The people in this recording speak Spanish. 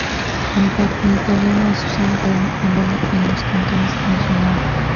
El italiano es usado por el gobierno en los cantones mencionados.